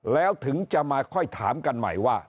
แล้วถึงจะมาค่อยถามกันใหม่ว่า